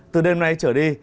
từ đêm nay trở đi